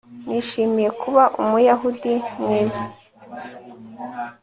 Nishimiye kuba Umuyahudi mwiza